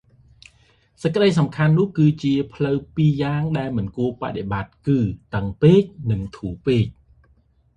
សេចក្តីសំខាន់មួយនោះគឺ ផ្លូវពីរយ៉ាងដែលមិនគួរបដិបត្តិគឺ តឹងពេក និង ធូរពេក។